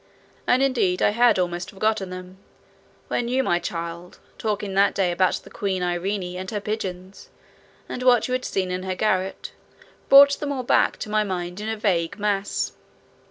And indeed I had almost forgotten them, when you, my child, talking that day about the Queen Irene and her pigeons, and what you had seen in her garret, brought them all back to my mind in a vague mass.